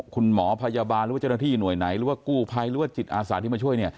คุณหมอพยาบาลหรือว่าเจ้าหน้าที่หน่วยไหนหรือว่ากู้ภัยหรือว่าจิตอาสาที่มาช่วย